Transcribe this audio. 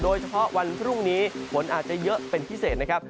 วันพรุ่งนี้ฝนอาจจะเยอะเป็นพิเศษนะครับ